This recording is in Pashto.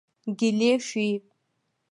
ګیلې ښيي.